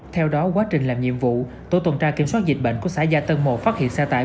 theo đó quá trình làm nhiệm vụ tổ tuần tra kiểm soát dịch bệnh của xã gia tân một phát hiện xe tải